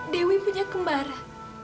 dewi punya kembara